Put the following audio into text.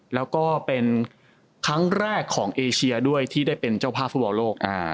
แล้วก็เป็นครั้งแรกของเอเชียด้วยที่ได้เป็นเจ้าภาพฟุตบอลโลก